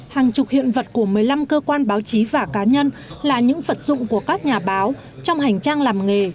hàng chục hiện vật của một mươi năm cơ quan báo chí và cá nhân là những vật dụng của các nhà báo trong hành trang làm nghề